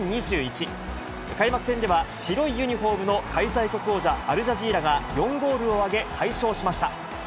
開幕戦では、白いユニホームの開催国王者、アルジャジーラが４ゴールを挙げ、快勝しました。